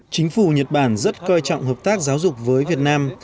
chính phủ nhật bản rất coi trọng hợp tác giáo dục với việt nam